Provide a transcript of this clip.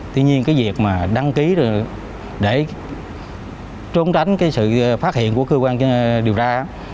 tuy nhiên việc đăng ký để trốn tránh sự phát hiện của cơ quan điều tra